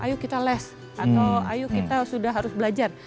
ayo kita les atau ayo kita sudah harus belajar